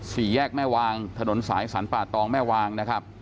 ศรีแยกแม่วางถนนสายสันป้าดฯตองแม่วาง